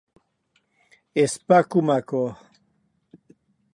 Non ei atau.